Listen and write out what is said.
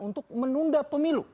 untuk menunda pemilu